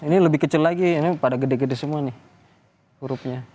ini lebih kecil lagi ini pada gede gede semua nih hurufnya